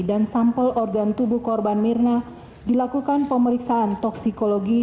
dan sampel organ tubuh korban mirna dilakukan pemeriksaan toksikologi